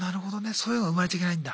そういうの生まれちゃいけないんだ。